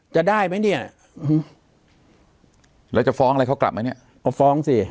จะได้ไหมเนี่ยแล้วจะฟ้องอะไรเขากลับไหมเนี่ยก็ฟ้องสิ